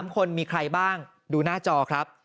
๓คนมีใครบ้างดูหน้าจอครับ